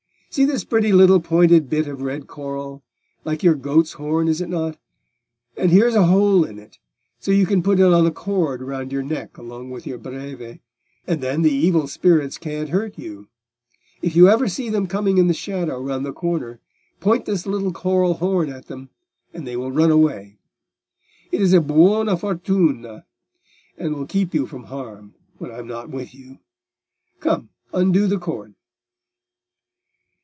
"See this pretty little pointed bit of red coral—like your goat's horn, is it not?—and here is a hole in it, so you can put it on the cord round your neck along with your Breve, and then the evil spirits can't hurt you: if you ever see them coming in the shadow round the corner, point this little coral horn at them, and they will run away. It is a 'buona fortuna,' and will keep you from harm when I am not with you. Come, undo the cord."